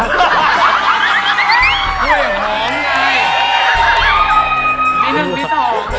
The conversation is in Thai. กล้วยหอม